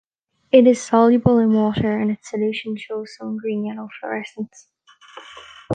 It is soluble in water and its solution shows some green-yellow fluorescence.